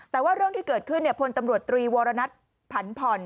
แต่ว่าเรื่องที่เกิดขึ้นพลตำรวจตรีวรณัทผันผ่อน